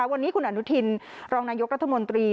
วันนี้คุณอนุทินรองนายกรัฐมนตรี